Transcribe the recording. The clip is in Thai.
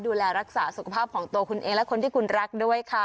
ดูแลรักษาสุขภาพของตัวคุณเองและคนที่คุณรักด้วยค่ะ